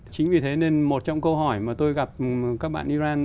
chính vì thế nên một trong câu hỏi mà tôi gặp các bạn iran